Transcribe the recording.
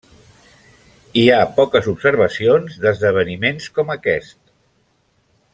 Hi ha poques observacions d'esdeveniments com aquest.